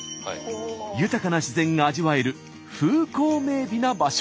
豊かな自然が味わえる風光明美な場所。